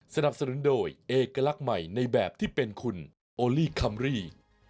สนับสนุนโดยเอกลักษณ์ใหม่ในแบบที่เป็นคุณโอลี่คัมรี่